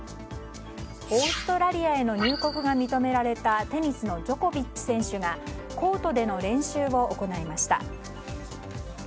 オーストラリアへの入国が認められたテニスのジョコビッチ選手がコートでの練習を行いました。